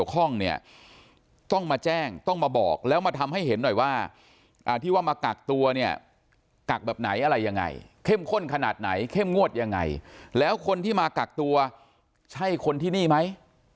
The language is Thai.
กักแบบไหนอะไรยังไงเข้มข้นขนาดไหนเข้มงวดยังไงแล้วคนที่มากักตัวใช่คนที่นี่ไหม